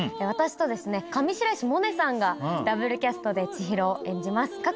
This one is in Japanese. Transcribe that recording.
私と上白石萌音さんがダブルキャストで千尋を演じます。